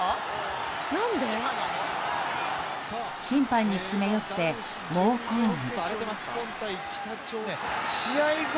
審判に詰め寄って猛抗議。